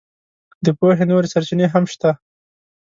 د پوهې نورې سرچینې هم شته.